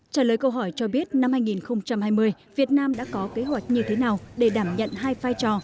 trả lời câu hỏi cho biết năm hai nghìn hai mươi việt nam đã có kế hoạch như thế nào để đảm nhận hai vai trò